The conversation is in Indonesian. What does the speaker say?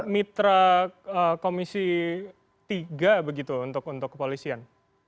mitra komisi tiga begitu untuk kepolisian